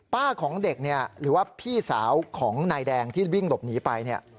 ของเด็กหรือว่าพี่สาวของนายแดงที่วิ่งหลบหนีไป